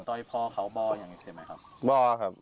ต้อยพ่อเขาบ่อยังไงใช่ไหมครับ